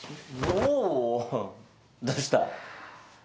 どうした？